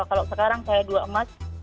kalau sekarang saya dua emas